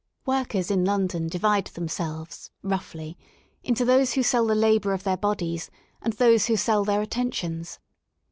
Workers in London divide themselves, roughly, into those who sell the labour of their bodies and those who sell their attentions.